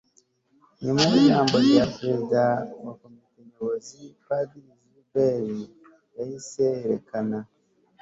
nyuma y'ijambo rya perezida wa komite nyobozi, padiri gilbert yahise yerekana